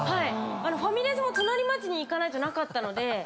ファミレスも隣町に行かないとなかったので。